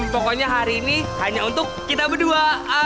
pokoknya hari ini hanya untuk kita berdua